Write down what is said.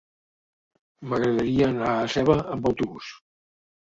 M'agradaria anar a Seva amb autobús.